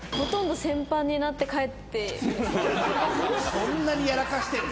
そんなにやらかしてんの？